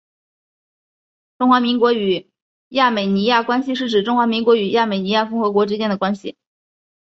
中华民国与亚美尼亚关系是指中华民国与亚美尼亚共和国之间的关系。